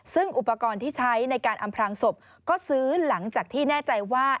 ซึ่งอุปกรณ์ที่ใช้ในการอำพลางศพก็ซื้อหลังจากที่แน่ใจว่า